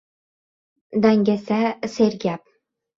• Dangasa — sergap.